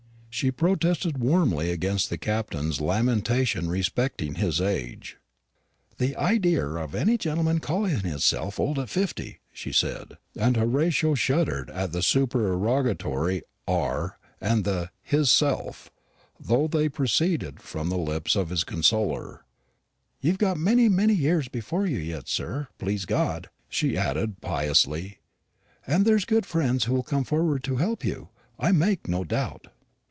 She protested warmly against the Captain's lamentation respecting his age. "The idear of any gentleman calling hisself old at fifty!" she said and Horatio shuddered at the supererogatory "r" and the "hisself," though they proceeded from the lips of his consoler; "you've got many, many years before you yet, sir, please God," she added piously; "and there's good friends will come forward yet to help you, I make no doubt."